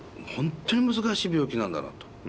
本当に難しい病気なんだなと。